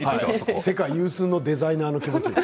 世界有数のデザイナーの気持ちです。